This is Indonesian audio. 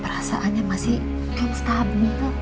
perasaannya masih konstabil